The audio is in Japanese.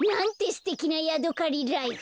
すてきなヤドカリライフ！